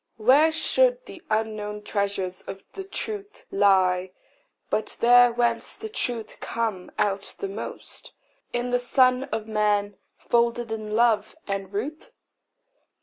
Where should the unknown treasures of the truth Lie, but there whence the truth comes out the most In the Son of man, folded in love and ruth?